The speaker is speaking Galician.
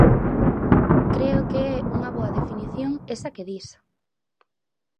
Creo que é unha boa definición esa que dis.